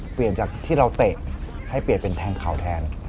เปลี่ยนจากที่เราเตะให้เปลี่ยนเป็นแทงเข่าแทน